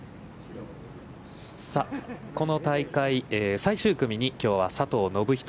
さあ、この大会、最終組にきょうは佐藤信人